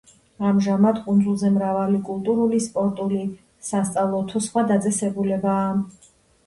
ამჟამად კუნძულზე მრავალი კულტურული, სპორტული, სასწავლო თუ სხვა დაწესებულებაა.